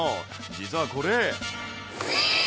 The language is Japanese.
実はこれ。